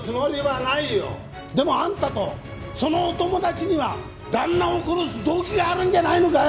でもあんたとそのお友達には旦那を殺す動機があるんじゃないのかい！？